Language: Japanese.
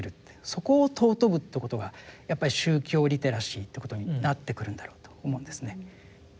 そこを尊ぶということがやっぱり宗教リテラシーということになってくるんだろうと思うんですね。